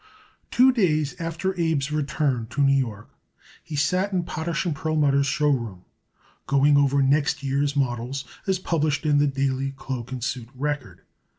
Two days after Abe's return to New York he sat in Potash & Perlmutter's show room, going over next year's models as published in the Daily Cloak and Suit Record.